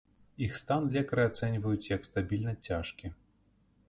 Іх стан лекары ацэньваюць як стабільна цяжкі.